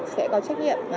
sẽ có trách nhiệm